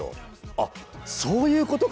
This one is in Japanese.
あっそういうことかと。